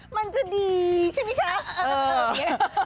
มันจะดีใช่ไหมคะ